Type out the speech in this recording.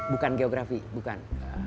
bukan geografi bukan